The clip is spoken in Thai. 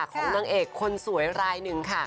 ของนางเอกคนสวยรายหนึ่งค่ะ